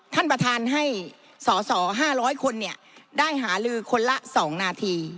ท่านประธานให้ศ๕๐๐คนเนี่ยได้หารือคนละ๒